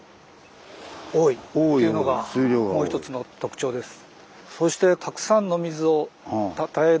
「多い」というのがもう一つの特徴です。